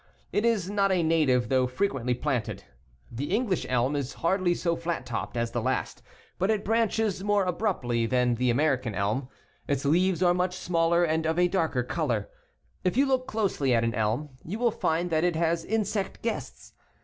It is not a native though frequently planted. The English elm is hardly so fiat topped as the last, but it branches more abruptly than the Ameri can elm. Its leaves are much smaller and of a darker color. If you look closely at an elm, you will find that it has insect guests.